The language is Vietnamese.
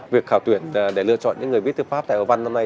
việc khảo tuyển để lựa chọn những người viết chữ pháp tại hồ văn năm nay